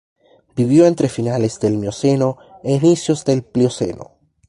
Vivió entre finales del Mioceno e inicios del Plioceno.